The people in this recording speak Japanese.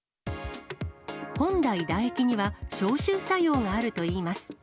本来、唾液には消臭作用があるといいます。